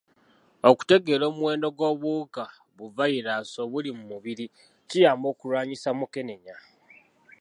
Okutegeera omuwendo gw'obuwuka bu vayiraasi obuli mu mubiri kiyamba okulwanyisa mukenenya.